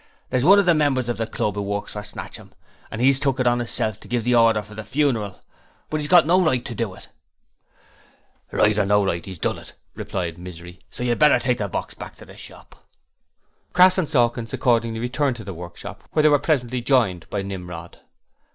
'There's one of the members of the club who works for Snatchum, and 'e's took it on 'isself to give the order for the funeral; but 'e's got no right to do it.' 'Right or no right, 'e's done it,' replied Misery, 'so you'd better take the box back to the shop.' Crass and Sawkins accordingly returned to the workshop, where they were presently joined by Nimrod.